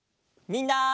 みんな。